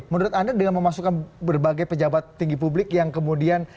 menurut anda dengan memasukkan berbagai pejabat tinggi publik yang kemudian